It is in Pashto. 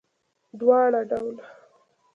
دواړه ډوله